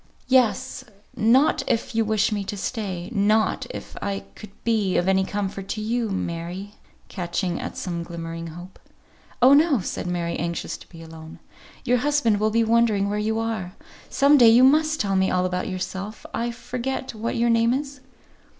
"Yes. Not if you wish me to stay. Not if I could be of any comfort to you, Mary;" catching at some glimmering hope. "Oh, no," said Mary, anxious to be alone. "Your husband will be wondering where you are. Some day you must tell me all about yourself. I forget what your name is?"